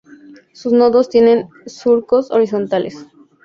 Sus nodos tienen surcos horizontales.